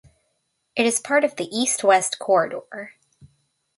It is part of the "East-West Corridor".